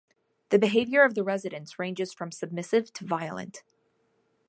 The behavior of the residents ranges from submissive to violent.